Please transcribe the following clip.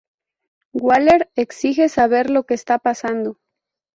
Waller exige saber lo que está pasando.